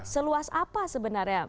seluas apa sebenarnya